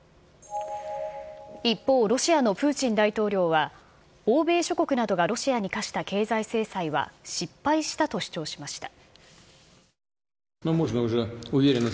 一方、ロシアのプーチン大統領は欧米諸国などがロシアに科した経済制裁は失敗したと主張しました。